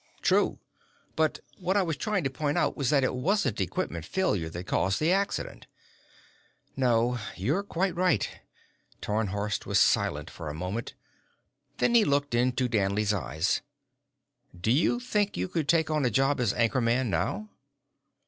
"True. But what I was trying to point out was that it wasn't equipment failure that caused the accident." "No. You're quite right." Tarnhorst was silent for a moment, then he looked into Danley's eyes. "Do you think you could take on a job as anchor man now?"